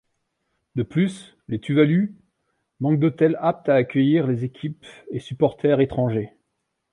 De plus, les Tuvalu manquent d'hôtels aptes à accueillir les équipes et supporters étrangers.